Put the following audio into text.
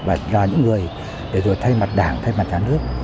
và là những người để rồi thay mặt đảng thay mặt nhà nước